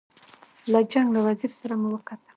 له جنګ له وزیر سره مو وکتل.